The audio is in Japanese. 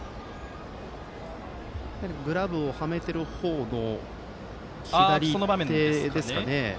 グラブをはめている方の左手ですかね。